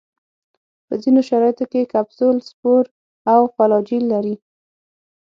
په ځینو شرایطو کې کپسول، سپور او فلاجیل لري.